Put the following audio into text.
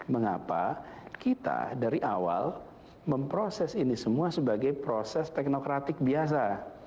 mengapa kita dari awal memproses ini semua sebagai proses teknokratik biasa